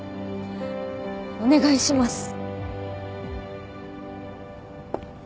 お願いします。